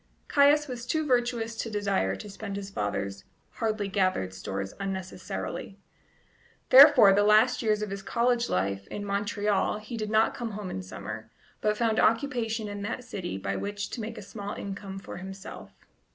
Caius was too virtuous to desire to spend his father's hardly gathered stores unnecessarily; therefore, the last years of his college life in Montreal he did not come home in summer, but found occupation in that city by which to make a small income for himself.